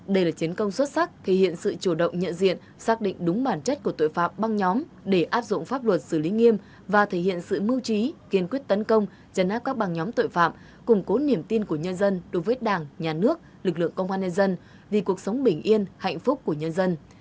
đây là chiến công xuất sắc thể hiện sự chủ động nhận diện xác định đúng bản chất của tội phạm băng nhóm để áp dụng pháp luật xử lý nghiêm và thể hiện sự mưu trí kiên quyết tấn công chấn áp các băng nhóm tội phạm củng cố niềm tin của nhân dân đối với đảng nhà nước lực lượng công an nhân dân vì cuộc sống bình yên hạnh phúc của nhân dân